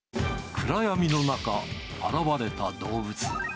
暗闇の中、現れた動物。